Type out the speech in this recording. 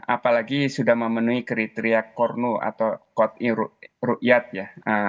apalagi sudah memenuhi kriteria kornu atau kod i rukyat ya